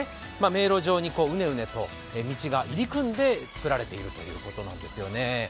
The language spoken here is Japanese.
迷路状にうねうねと道が入り組んで作られているということなんですよね。